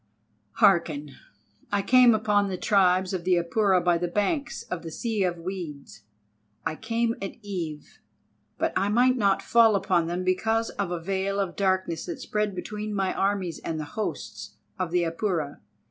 Hearken! I came upon the tribes of the Apura by the banks of the Sea of Weeds. I came at eve, but I might not fall upon them because of a veil of darkness that spread between my armies and the hosts of the Apura.